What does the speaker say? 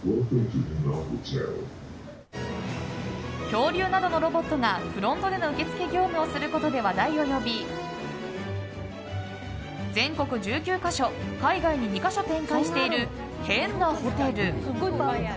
恐竜などのロボットがフロントでの受け付け業務をすることで話題を呼び全国１９か所、海外に２か所展開している変なホテル。